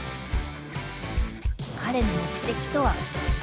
彼の目的とは